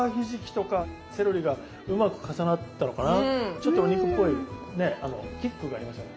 ちょっとお肉っぽいねあのキックがありますよね。